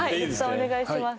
お願いします